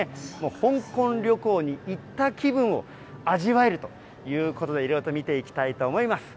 香港旅行に行った気分を味わえるということで、いろいろと見ていきたいと思います。